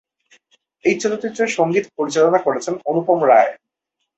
এই চলচ্চিত্রের সংগীত পরিচালনা করেছেন অনুপম রায়।